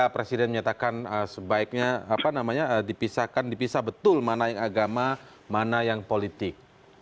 presiden menyatakan sebaiknya apa namanya dipisahkan dipisah betul mana yang agama mana yang politik